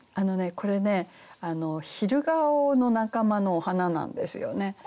これね昼顔の仲間のお花なんですよね。